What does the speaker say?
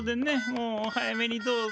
もうお早めにどうぞ。